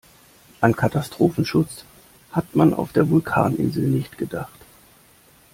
An Katastrophenschutz hat man auf der Vulkaninsel nicht gedacht.